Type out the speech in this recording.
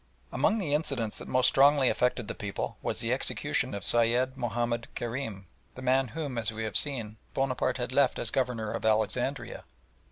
Among the incidents that most strongly affected the people was the execution of Sayed Mahomed Kerim, the man whom, as we have seen, Bonaparte had left as Governor at Alexandria.